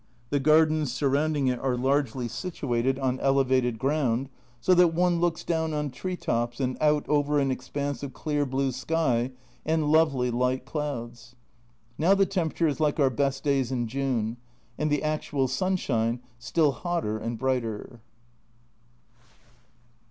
The gardens surrounding it are largely situated on elevated ground, so that one looks down on tree tops and out over an expanse of clear blue sky and lovely light clouds. Now the temperature is like our best days in June, and the actual sunshine still hotter and brighter.